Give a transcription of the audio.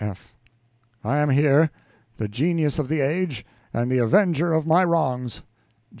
F. I am here, the genius of the age, and the avenger of my wrongs.